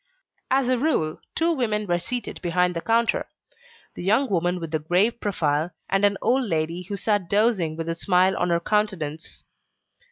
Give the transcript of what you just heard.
As a rule two women were seated behind the counter: the young woman with the grave profile, and an old lady who sat dozing with a smile on her countenance.